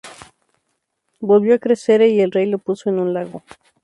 Volvió a crecer y el rey lo puso en un lago.